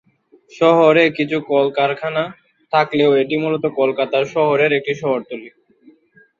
শহরে কিছু কলকারখানা থাকলেও এটি মূলত কলকাতা শহরের একটি শহরতলী।